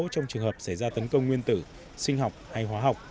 trong trường hợp xảy ra tấn công nguyên tử sinh học hay hóa học